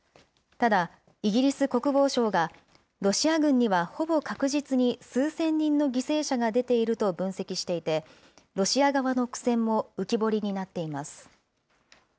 ただ、イギリス国防省がロシア軍にはほぼ確実に数千人の犠牲者が出ていると分析していて、ロシア側の苦戦も浮き彫りになっています。